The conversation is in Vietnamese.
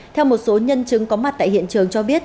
theo một số nhân chứng có mặt tại hiện trường cho biết